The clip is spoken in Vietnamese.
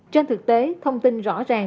trên thực tế thông tin rõ ràng